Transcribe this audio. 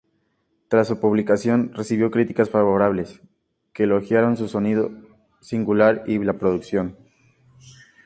Tras su publicación, recibió críticas favorables, que elogiaron su sonido singular y la producción.